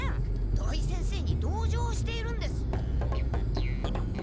土井先生に同情しているんです。